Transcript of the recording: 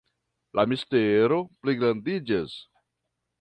La mistero pligrandiĝas.